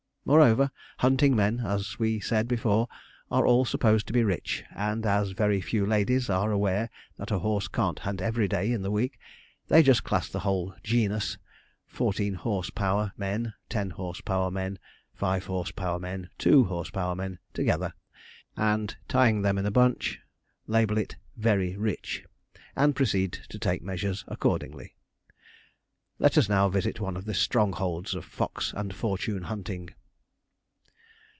Moreover, hunting men, as we said before, are all supposed to be rich, and as very few ladies are aware that a horse can't hunt every day in the week, they just class the whole 'genus' fourteen horse power men, ten horse power men, five horse power men, two horse power men, together, and tying them in a bunch, label it 'very rich,' and proceed to take measures accordingly. Let us now visit one of the 'strongholds' of fox and fortune hunting.